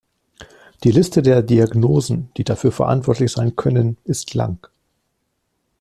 Die Liste der Diagnosen, die dafür verantwortlich sein können, ist lang.